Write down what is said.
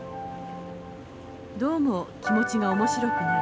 どうも気持ちが面白くない」。